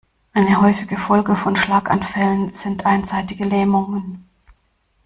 Eine häufige Folge von Schlaganfällen sind einseitige Lähmungen.